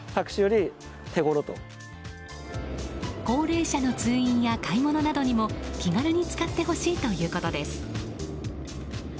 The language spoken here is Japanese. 高齢者の通院や買い物などにも気軽に使ってほしいということです。